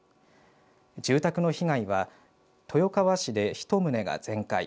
住宅の被害は豊川市で１棟が全壊